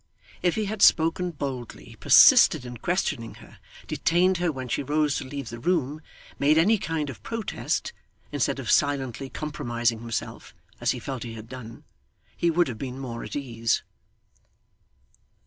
If he had spoken boldly, persisted in questioning her, detained her when she rose to leave the room, made any kind of protest, instead of silently compromising himself, as he felt he had done, he would have been more at ease.